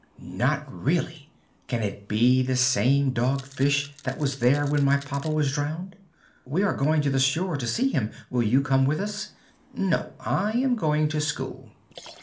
"Not really? Can it be the same Dog Fish that was there when my papa was drowned?" "We are going to the shore to see him. Will you come with us?" "No; I am going to school."